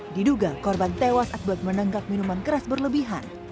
diduga korban tewas akibat menenggak minuman keras berlebihan